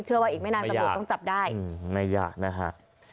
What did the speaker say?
เชื่อว่าอีกไม่นานก็บุตรต้องจับได้ไม่ยากนะคะ